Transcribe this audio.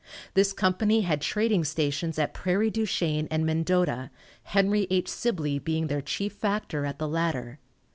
This company had trading stations at Prairie du Chien and Mendota, Henry H. Sibley being their chief factor at the latter.